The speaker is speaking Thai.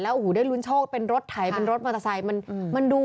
แล้วโอ้โหได้ลุ้นโชคเป็นรถไทยเป็นรถมอเตอร์ไซค์